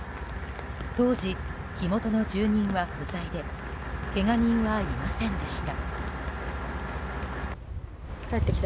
当時、火元の住人は不在でけが人はいませんでした。